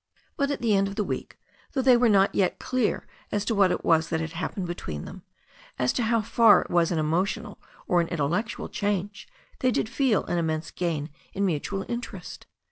But at the end of the week, though they were not yet clear as to what it was that had happened between them, as to how far it was an emotional or an intellectual change, they did feel an immense gain in mutual interest.